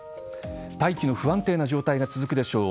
大気の不安定な状態が続くでしょう。